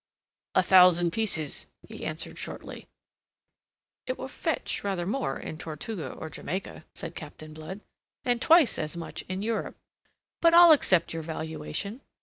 "A thousand pieces," he answered shortly. "It will fetch rather more in Tortuga or Jamaica," said Captain Blood, "and twice as much in Europe. But I'll accept your valuation.